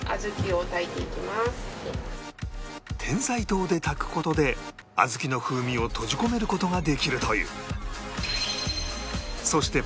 テンサイ糖で炊く事で小豆の風味を閉じ込める事ができるという